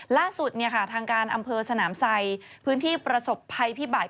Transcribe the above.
ล่าสุดทางการอำเภอสนามไซพื้นที่ประสบภัยพิบัติ